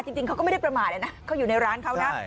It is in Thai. จริงเขาก็ไม่ได้ประมาทเลยนะเขาอยู่ในร้านเขานะ